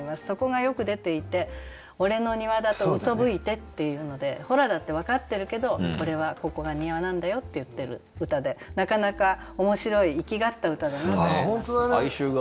そこがよく出ていて「俺の庭だとうそぶいて」っていうのでホラだって分かってるけど俺はここが庭なんだよって言ってる歌でなかなか面白い粋がった歌だなと思います。